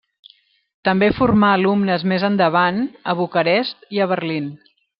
També formà alumnes més endavant, a Bucarest i a Berlín.